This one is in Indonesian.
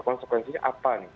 konsekuensinya apa nih